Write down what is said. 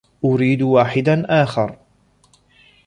أريد واحدا آخر.